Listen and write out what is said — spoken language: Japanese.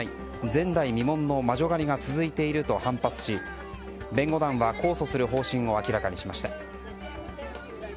前代未聞の魔女狩りが続いていると反発し弁護団は控訴する方針を明らかにしました。